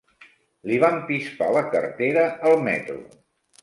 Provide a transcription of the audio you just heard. Li van pispar la cartera al metro.